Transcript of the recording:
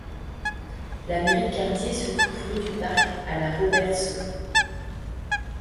La mairie de quartier se trouve rue du Parc à la Robertsau.